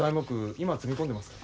今積み込んでますから。